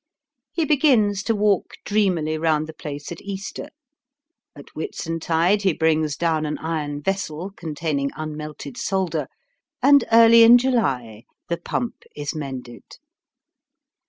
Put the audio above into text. He begins to walk dreamily round the place at Easter. At Whitsuntide he brings down an iron vessel containing unmelted solder, and early in July the pump is mended.